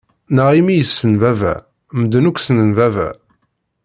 Neɣ imi yessen baba? Medden akk snen baba.